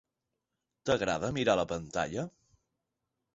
T'agrada mirar la pantalla?